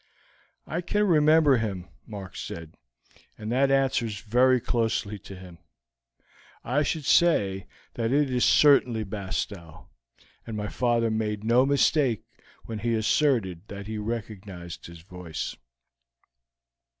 "I can remember him," Mark said; "and that answers very closely to him. I should say that it is certainly Bastow, and my father made no mistake when he asserted that he recognized his voice."